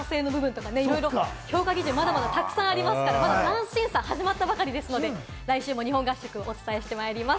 スター性の部分とか、いろいろ評価基準まだまだたくさんありますから、まだダンス審査始まったばかりですので来週も日本合宿をお伝えしてまいります。